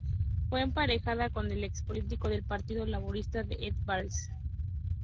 Fue emparejada con el ex político del Partido Laborista, Ed Balls.